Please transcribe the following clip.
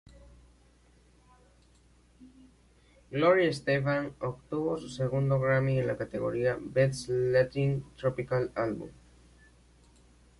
Gloria Estefan obtuvo su segundo Grammy en la categoría "Best Latin Tropical Album".